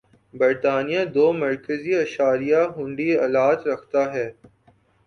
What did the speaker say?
برطانیہ دو مرکزی اشاریہ ہُنڈی آلات رکھتا ہے